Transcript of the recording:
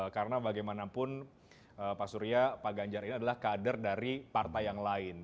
karena bagaimanapun pak surya pak ganjar ini adalah kader dari partai yang lain